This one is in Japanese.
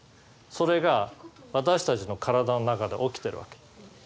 それが私たちの体の中で起きてるわけ。